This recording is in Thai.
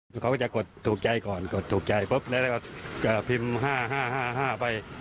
คือเขาก็จะกดถูกใจก่อนกดถูกใจปุ๊บแล้วก็พิมพ์๕๕ไป